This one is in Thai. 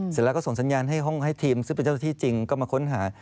เสร็จแล้วก็ส่งสัญญาณให้ห้องให้ทีมซึ่งเป็นเจ้าที่จริงก็มาค้นหา